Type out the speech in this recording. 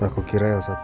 aku kira yang satu